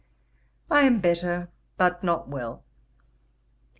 I am better, but not well.